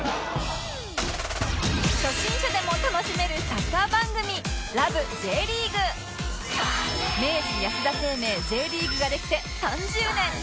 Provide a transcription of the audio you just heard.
初心者でも楽しめるサッカー番組明治安田生命 Ｊ リーグができて３０年！